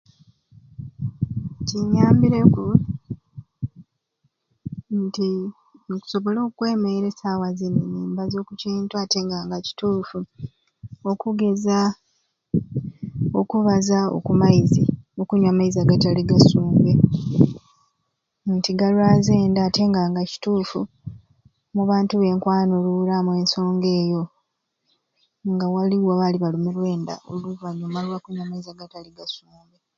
Kinyambireku nti nkusobola okwemeera e saawa zini nimbaza oku kintu ate nga kituufu okugeza okubaza okumaizi okunywa amaizi agatali gasumbe nti galwaza enda ate nga kituufu mu bantu benkwanuruuramu ensonga eyo nga waliwo abaali balumiibwe enda oluvanyuma lwakunywa amaizi agatali gasumbe